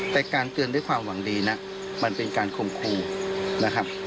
แต่การเตือนด้วยความหวังดีนะมันเป็นการคมครูนะครับ